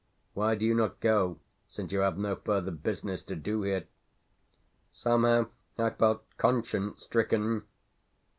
Why do you not go since you have no further business to do here?" Somehow I felt conscience stricken.